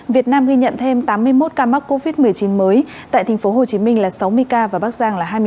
việt nam ghi nhận thêm tám mươi một ca mắc covid một mươi chín mới tại tp hcm là sáu mươi ca và bắc giang là hai mươi chín